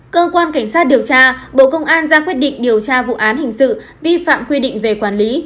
cơ quan cảnh sát điều tra bộ công an ra quyết định điều tra vụ án hình sự vi phạm quy định về quản lý